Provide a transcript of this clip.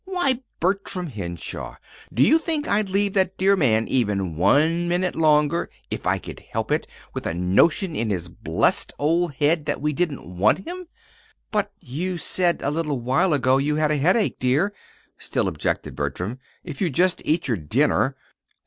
"Why, Bertram Henshaw, do you think I'd leave that dear man even one minute longer, if I could help it, with a notion in his blessed old head that we didn't want him?" "But you said a little while ago you had a headache, dear," still objected Bertram. "If you'd just eat your dinner!"